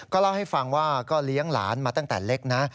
เล่าให้ฟังว่าก็เลี้ยงหลานมาตั้งแต่เล็กนะ